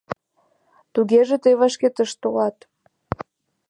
Тугеже тый вашке тыш толат.